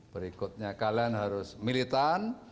berikutnya kalian harus militan